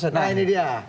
nah ini dia